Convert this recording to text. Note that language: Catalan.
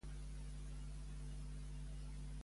I si poses més forta la llum a l'habitació?